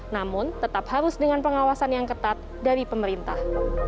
namun tetap harus dengan pengawasan yang ketat dari pemerintah